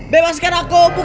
bebaskan aku dari sini